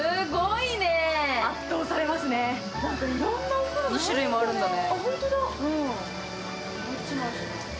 いろんなお風呂の種類があるんだね。